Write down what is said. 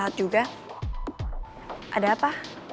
kamu gak apa apa